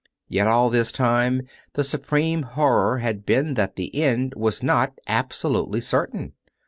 Yet all this time the supreme horror had been that the end was not absolutely certain.